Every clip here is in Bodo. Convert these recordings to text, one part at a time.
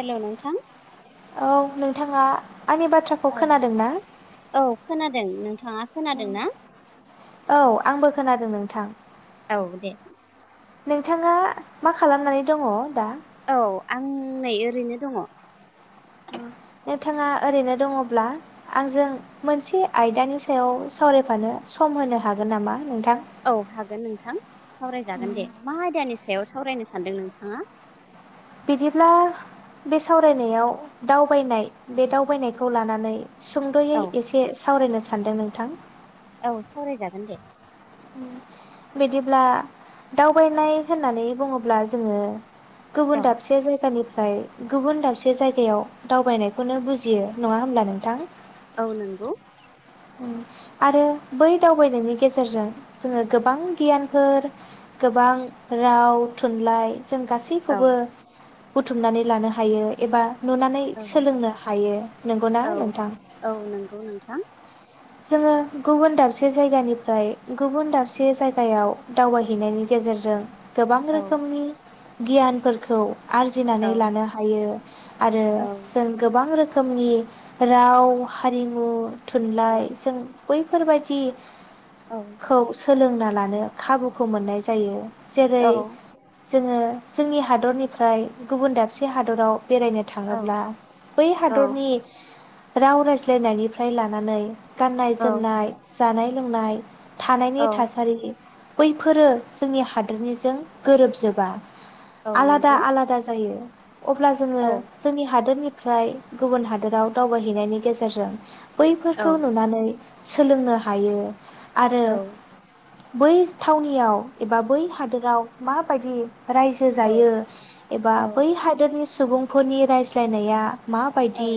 हेल' नोंथां औ नोंथाङा आंनि बाथ्राखौ औ खोनादोंना खोनादों नोंथाङा खोनादों ना? औ आंबो खोनादों नों थां औ दे नोंथाङा मा खालामनानै दङ दा औ आं नै ओरैनो दङ नोंथाङा ओरैनो दङब्ला आंजों मोनसे आयदानि सायाव सावरायफानो सम होनो हागोन नामा नों औ हागोन नोंथां सावरायजागोन दे मा आदायानि सायाव सावरायनो सानदों नोंथाङा बिदिब्ला बे सावरायनायाव दावबायनाय बे दावबायनायखौ लानानै सुंद'यै औ एसे सावरायनोसै सान्दों नोंथां औ सावरायजागोन दे बिदिब्ला दावबायनाय होननानै बुङोब्ला जोङो औ गुबुन दाबसे जायगानि ओमफ्राय गुबुन दाबसे जायगायाव दावबायनायखौनो बुजियो नङा होमब्ला नोंथां औ नंगौ। आरो बै दावबायनायनि गेजेरजों जोङो गोबां गियानफोर गोबां राव थुनलाइ जों औ गासैखौबो बुथुमनानै लानो हायो एबा नुनानै औ सोलोंनो हायो नंगौना औ नोंथां औ नंगौ नोंथां जोङो गुबुन दाबसे जायगानिफ्राय गुबुन दाबसे जायगायाव दावबायहैनायनि गेजेरजों गोबां औ रोखोमनि गियानफोरखौ औ आरजिनानै लानो हायो आरो औ जों गोबां रोखो खोमनि राव हारिमु औ थुनलाइ बैफोरबायदि औ खौ सोलोंना लानो खाबुखौ मोननाय जायो। जेरै औ जोङो जोंनि हादरनिफ्राय गुबुन दाबसे हादराव बेरायनो औ थाङोब्ला बै हादरनि औ राव रायज्लायनायनिफ्राय लानानै गाननाय जोमनाय जानाय लोंनाय थानायनि औ थासारि बैफोरो जोंनि हादोरनिजों गोरोबजोबा। औ आलादा नंगौ आलादा जायो। अब्ला जोङो औ जोंनि हादोरनि फ्राय गुबुन हादोराव दावबायहैनायनि गेजेरजों औ बैफोरखौ नुनानै सोलोंनो हायो आरो औ बै थावनियाव एबा बै हादोराव माबायदि रायजो औ जायो एबा बै हादोरनि सुबुंफोरनि रायज्लायनाया माबायदि औ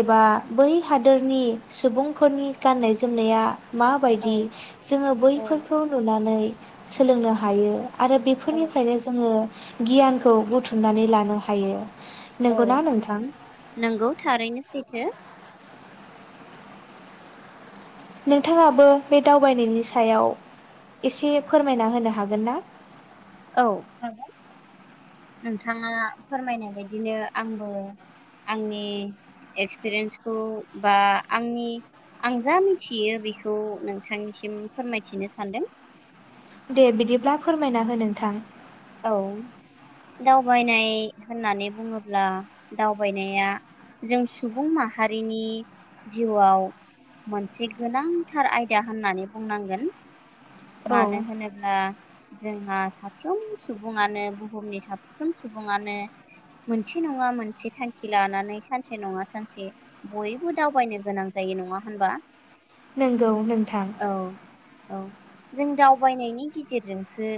एबा बै हादोरनि सुबुंफोरनि गाननाय जोमनाया माबायदि जोङो औ बैफोरखौ नुनानै सोलोंनो हायो आरो औ बेफोरनिफ्रायनो जोङो गियानखौ बुथुमनानै लानो हायो। औ नंगौना नोंथां नंगौ थारैनो सैथो नोंथाङाबो बे दावबायनायनि सायाव एसे फोरमायना होनो हागोन ना? औ हागोन नोंथाङा फोरमायनाय बायदिनो आंबो आंनि एक्सपिरियेन्सखौ बा आंनि आं जा मिथियो बेखौ नोंथांनिसिम फोरमायथिनो सानदों। दे बिदिब्ला फोरमायना हो नोंथां औ दावबायनाय होननानै बुङोब्ला दावबायनाया जों सुबुं माहारिनि जिउआव मोनसे गोनांथार आयदा होननानै बुंनांगोन। औ मानो होनोब्ला जोंहा साफ्रोम सुबुङानो बुहुमनि साफ्रोम सुबुङानो मोनसे नङा मोनसे थांखि लानानै सानसे नङा सानसे बयबो दावबायनो गोनां जायो नङा होनबा नंगौ नोंथां औ औ जों दावबायनायनि गेजेरजोंसो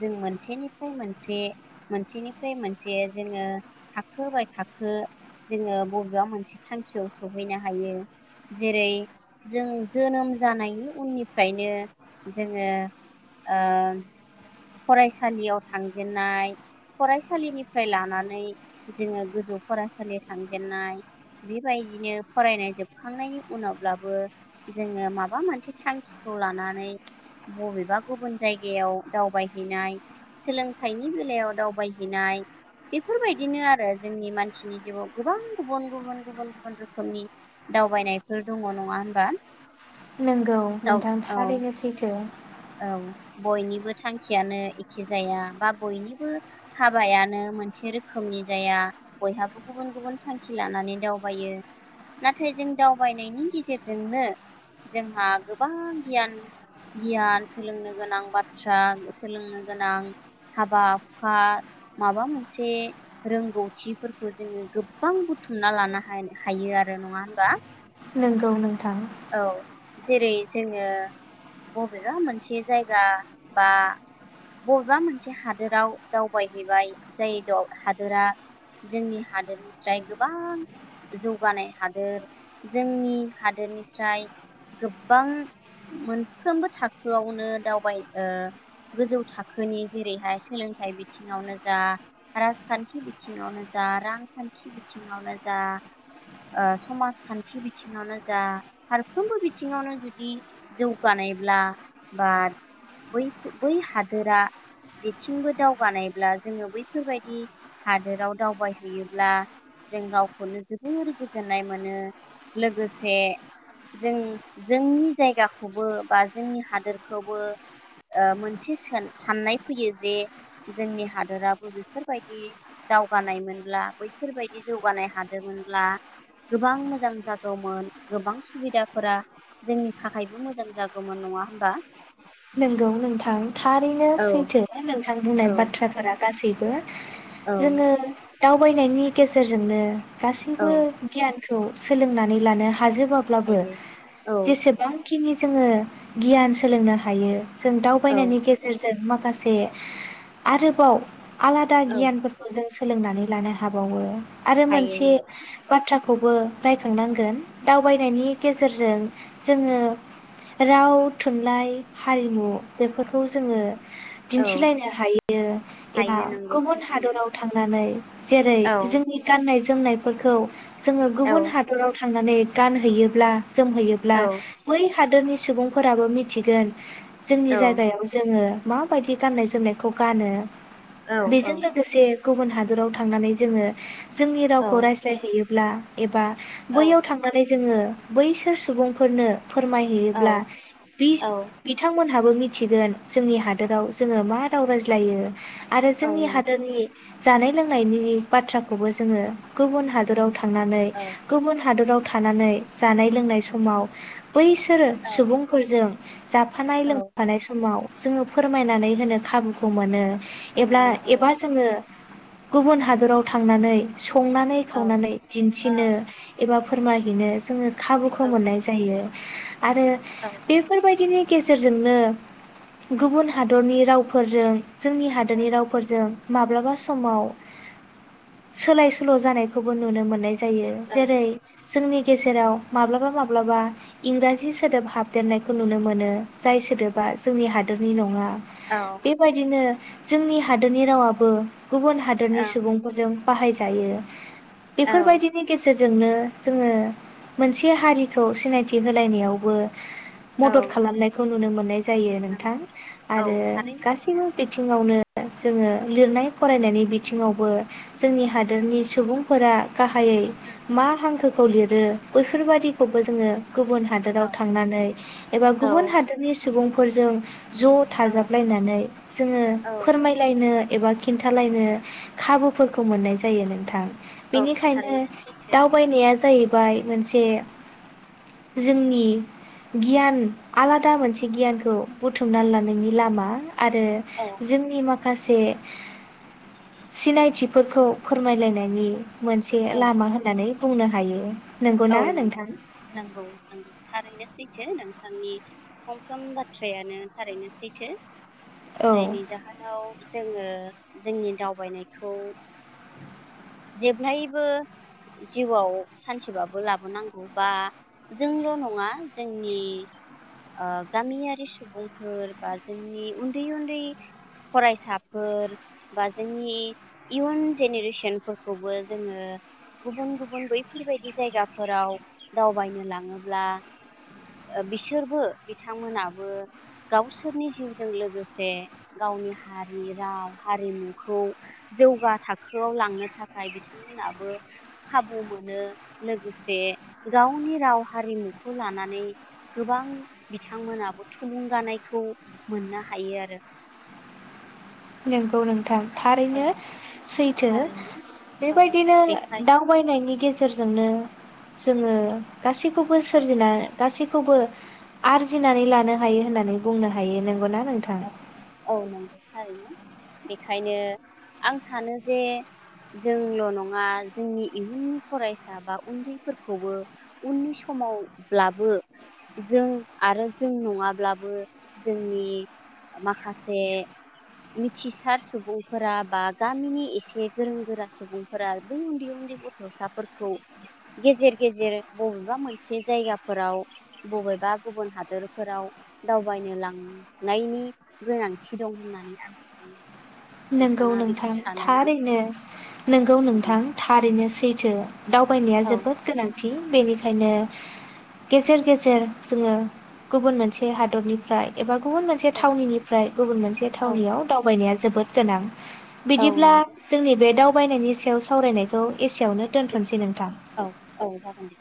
जों मोनसेनिफ्राय मोनसे मोनसेनिफ्राय मोनसे जोङो थाख बाय थाखो जोङो बबेबा मोनसे थांखियाव सहैनो हायो जेरै जों जोनोम जानायनि उननिफ्रायनो जोङो ओ फरायसालियाव थांजेननाय फरायसालिनिफ्राय लानानै जोङो गोजौ फरायसालियाव थांजेननाय बेबायदिनो फरायनाय जोबखांनायनि उनावब्लाबो जोङो माबा मोनसे थांखिखौ लानानै बबेबा गुबुन जायगायाव दावबाय नाय सोलोंथाइनि बेलायाव दावबायहैनाय बेफोरबायदिनो आरो जोंनि मानसिनि जिउआव गोबां गुबुन गुबुन गुबुन गुबुन रोखोमनि दावबायनायफोर दङ नङा होनबा नंगौ औ नोंथां औ थारैनो सैथो औ बयनिबो थांखियानो एखे जाया बा बयनिबो हाबायानो मोनसे रोखोमनि जाया बयहाबो गुबुन गुबुन थांखि लानानै दावबायो नाथाय जों दावबायनायनि गेजेरजोंनो जोंहा गोबां गियान गियान सोलोंनो गोनां बाथ्रा सोलोंनो गोनां हाबा हुखा माबा मोनसे रोंगौथिफोरखौ जोङो गोबां बुथुमना लानो हा हायो आरो नङा होनबा नोंगौ नोंथां औ जेरै जोङो बबेबा मोन मोनसे जायगा बा बबेबा मोनसे हादोराव दावबायहैबाय जाय हादोरा जोंनि हादोरनिस्राय गोबां जौगानाय हादोर जोंनि हादोरनिस्राय गोबां मोनफ्रोमबो था थाखोआवनो दावबाय ओ गोजौ थाखोनि जेरैहाय सोलोंथाइ बिथिङावनो जा राजखान्थि बिथिङावनो जा रांखान्थि बिथिङावनो जा ओ समाजखान्थि बिथिङावनो जा फारफ्रोमबो बिथिङावनो जुदि जौगानायब्ला बा बै हादोरा जेथिंबो दावगानायब्ला जोङो बैफोरबायदि हादोराव दावबायहैयोब्ला जों गावखौनो जोबोर गोजोननाय मोनो लोगोसे जों जोंनि जायगाखौबो बा जोंनि हादोरखौबो ओ मोनसे साननाय फैयो जे जोंनि हादोराबो बेफोरबायदि दावगानायमोनब्ला बैफोरबायदि जौगानाय हादोरमोनब्ला गोबां मोजां जागौमोन गोबां सुबिदाफोरा जोंनि थाखायबो मोजां जागौमोन नङा होमबा नोंगौ नोंथां थारैनो औ सैथो नोंथां बुंनाय औ बाथ्राफोरा गासैबो औ जोङो दावबायनायनि गेजेरजोंनो औ गासैबो गियान खौ सोलोंनानै लानो हाजोबाब्लाबो हायो औ जेसेबां जाखिनि जोङो गियान सोलोंनो हायो जों औ दावबायनायनि गेजेरजों मा माखासे आरोबाव आलादा औ गियानफोरखौ जों सोलोंनानै लानो हाबावो आरो हायो मोनसे नंगौ बाथ्रा खौबो रायखांनांगोन दावबायनायनि गेजेरजों जोङो राव थुनलाइ हारिमु बेफोरखौ जोङो औ दिन्थिलायनो हायो एबा हायो नंगौ गुबुन थारैनो हादराव थांनानै जेरै औ जोंनि गाननाय जोम जोमनायफोरखौ जोङो गुबुन औ हादराव थांनानै गानहैयोब्ला औ जोमहैयोब्ला बै हादोरनि सुबुंफोराबो मिथिगोन जोंनि औ जायगायाव जोङो माबायदि गाननाय जोमनायखौ गानो औ औ बेजों लोगोसे गुबुन हादराव थांनानै जोङो जोंनि रावखौ रायज्लायहैयो ब्ला एबा बैयाव थांनानै जोङो बैसोर सुबुंफोरनो औ फोरमायहैयोब्ला बे बिथांमोनहाबो मिथिगोन जोंनि हादोराव जोङो मा राव रायज्लायो। आरो औ जोंनि नंगौ हादोरनि जानाय लोंनायनि बाथ्राखौबो जोङो गुबुन हादराव थां थांनानै औ गुबुन हादराव थानानै जानाय लोंनाय समाव बैसोरो औ सुबुंफोरजों जाफानाय औ लोंफानाय समाव जोङो फोरमायनानै होनो खाबुखौ मोनो। एब्ला मोनो औ एबा जोङो गुबुन हादराव थांनानै संनानै औ खावनानै औ दिन्थिनो एबा फोरमायहैनो जोङो औ खाबुखौ मोननाय जायो। आरो औ बेफोरबायदि नि गेजेरजोंनो गुबुन हादरनि रावफोरजों जोंनि हादरनि रावफोरजों माब्लाबा समाव सोलाय सोल' जानायखौबो नुनो मोननाय जायो जेरै जोंनि गेजेराव माब्लाबा माब्लाबा इंराजि सोदोब हाबदेरनायखौ नुनो मोनो जाय सोदोबा जोंनि हादोरनि नङा। औ बेबायदिनो जोंनि हादोरनि रावाबो गुबुन हादरनि औ सुबुंफोरजों बाहायजायो। औ बेफोरबायदिनि गजेर जोंनो जोङो मोनसे हारिखौ सिनायथि होलायनायावबो मदद औ खालामनायखौ नुनो मोन जायो नोंथां नंगौ औ आरो थारैनो गासिबो सैथो बिथिङावनो जोङो लिरनाय फरायनायनि बिथिङावबो जोंनि हादोरनि सुबुंफोरा गाहायै उम मा हांखो खौ लिरो बैफोर बादिखौबो जोङो गुबुन हादोराव थांनानै एबा गुबुन हादरनि सुबुं फोरजों ज' औ थाजाबलायनानै जोङो फोरमायलायनो एबा खिन्थालायनो खाबु फोरखौ मोननाय जायो नोंथां। औ बेनिखायनो थारैनो सैथो दावबायनाया जाहै बाय मोनसे जोंनि गियान आलादा मोनसे गियानखौ बुथुमनानै लानायनि लामा। आरो औ जोंनि माखा माखासे सिनायथिफोरखौ फोरमायलायनायनि मोनसे औ लामा होननानै बुंनो हायो। औ नंगौना नंगौ नोंथां नंगौ नंगौ थारैनो सैथो सैथो नोंथांनि फंफ्रोम बाथ्रायानो थारैनो सैथो औ जायनि जाहोनाव जोङो जोंनि दावबायनायखौ जेब्लायबो जिउआव सान सेबाबो लाबोनांगौ बा जोंल' नङा जोंनि ओ गामियारि सुबुंफोर बा जोंनि उन्दै उन्दै फरायसाफोर बा जोंनि इयुन जेनेरेसनफोरखौबो जोङो गुबुन गुबुन बैफोरबायदि जायगाफोराव दावबायनो लाङोब्ला ओ बिसोरबो बिथांमोनाबो गावसोरनि जिउजों लोगोसे गावनि हारि राव हारिमुखौ जौगा थाखोआव लांनो थाखाय बिथांमोनाबो खाबु मोनो। लोगोसे गावनि राव हारिमुखौ लानानै गोबां बिथांमोनाबो थुलुंगानायखौ मोननो हायो आरो नोंगौ नोंथां औ थारैनो सैथो थारैनो औ बेबायदिनो बेखाय दावबायनायनि गेजेरजोंनो जोङो गासैखौबो औ सोरजिना गासै खौबो आरजिनानै लानो हायो होननानै बुंनो हायो नंगौना? नोंथां औ औ नंगौ थारैनो। बेखायनो आं सानो जे जोंल' नङा जोंनि इयुननि फरायसा बा उन्दैफोरखौबो उननि समावब्लाबो जों आरो जों नङाब्लाबो जोंनि माखासे मिथिसार सुबुंफोरा बा गामिनि एसे गोरों गोरा सुबुंफोरा बै उन्दै उन्दै गथ'साफोरखौ गेजेर गेजेर बबेबा मोनसे जायगाफोराव बबेबा गुबुन हादोरफोराव दावबायनो लां नायनि गोनांथि दं होननानै आं सानो। नंगौ नोंथाङा बेखौ नोंथां सानोना थारैनो नगौ औ नोंथां थारैनो सैथ थो दावबायनाया औ जोबोद गोनांथि। बेनिखायनो गेजेर गेजेर जोङो गुबुन मोनसे हादरनिफ्राय एबा गुबुन मोनसे थावनिफ्राय गुबुन मोनसे औ थावनियाव दावबायनाया जा जोबोद गोनां। औ बिदिब्ला नंगौ जोंनि बे दाउ थाबायनायनि सायाव सावरायनायखौ एसेयावनो दोनथ'नोसै नों औ औ जागोन दे